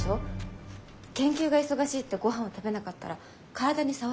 研究が忙しいってごはんを食べなかったら体に障ります。